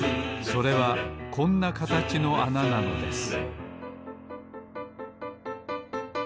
それはこんなかたちのあななのです